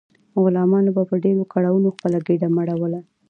غلامانو به په ډیرو کړاوونو خپله ګیډه مړوله.